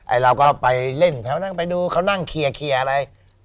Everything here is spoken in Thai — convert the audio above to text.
เราก็ไปเล่นแถวนั้นไปดูเขานั่งเคลียร์อะไร